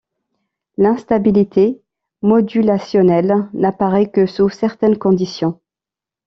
L'instabilité modulationnelle n'apparaît que sous certaines conditions.